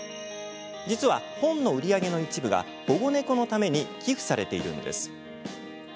実は、本の売り上げの一部が保護猫のために寄付されているんです。